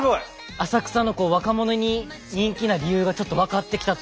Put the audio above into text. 浅草の若者に人気な理由がちょっと分かってきたというか。